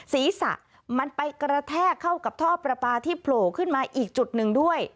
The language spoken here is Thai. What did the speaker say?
ศีรษะมันไปกระแทกเข้ากับท่อประปาที่โผล่ขึ้นมาอีกจุดหนึ่งด้วย